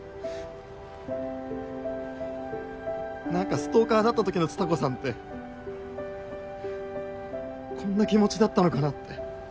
なんかストーカーだったときの蔦子さんってこんな気持ちだったのかなって。